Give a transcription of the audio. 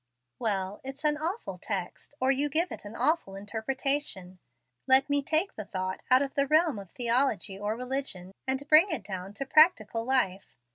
"Well, it's an awful text, or you give it an awful interpretation. Let me take the thought out of the realm of theology or religion, and bring it down to practical life.